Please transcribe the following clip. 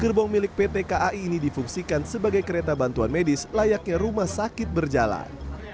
gerbong milik pt kai ini difungsikan sebagai kereta bantuan medis layaknya rumah sakit berjalan